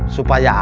supaya apa kok ya